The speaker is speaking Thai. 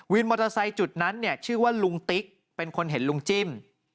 มอเตอร์ไซค์จุดนั้นเนี่ยชื่อว่าลุงติ๊กเป็นคนเห็นลุงจิ้ม